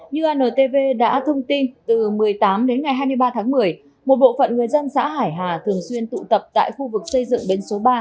như antv đã thông tin từ một mươi tám đến ngày hai mươi ba tháng một mươi một bộ phận người dân xã hải hà thường xuyên tụ tập tại khu vực xây dựng bến số ba